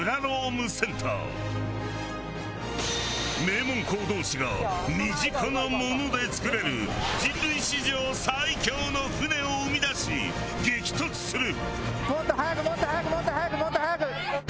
名門校同士が身近なもので作れる人類史上最強の舟を生み出し激突する！